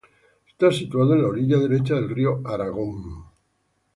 Está situado en la orilla derecha del río Aragón.